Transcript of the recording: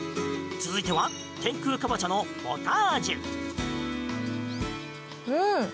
続いては天空かぼちゃのポタージュ。